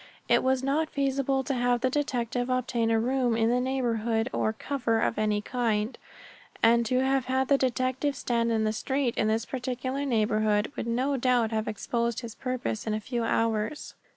It was not feasible to have the detective obtain a room in the neighborhood or "cover" of any kind, and to have had the detective stand on the street in this particular neighborhood would no doubt have exposed his purpose in a few hours.